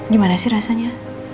gimana sih rasanya